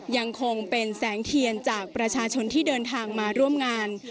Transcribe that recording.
ยังคงเป็นแสงเทียนจากประชาชนที่เดินทางมาร่วมงาน